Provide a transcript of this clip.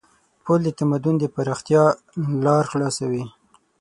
پُل د تمدن د پراختیا لار خلاصوي.